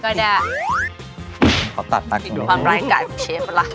ขอตัดตัดตรงนี้หน่อยเร็วว้าวว้าวตีดูปังดายก่ายของเชฟละ